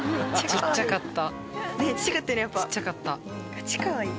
ちっちゃかった。